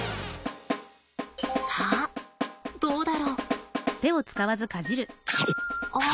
さあどうだろう？あ！